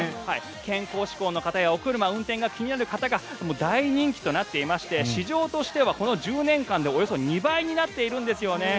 健康志向の方やお車の運転が気になる方に大人気となっていまして市場としてはこの１０年間でおよそ２倍になっているんですよね。